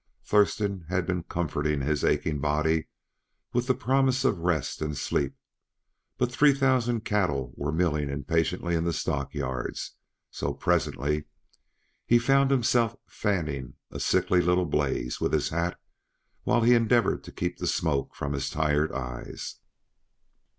Thurston had been comforting his aching body with the promise of rest and sleep; but three thousand cattle were milling impatiently in the stockyards, so presently he found himself fanning a sickly little blaze with his hat while he endeavored to keep the smoke from his tired eyes.